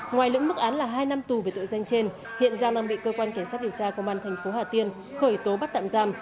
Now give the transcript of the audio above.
ngoài lưỡng mức án là hai năm tù về tội danh trên hiện giang đang bị cơ quan kiến sát điều tra công an thành phố hà tiên khởi tố bắt tạm giam